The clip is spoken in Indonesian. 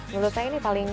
menurut saya ini paling